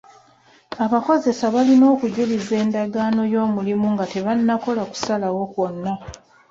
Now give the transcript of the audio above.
Abakozesa balina okujuliza endagaano y'omulimu nga tebannakola kusalawo kwonna.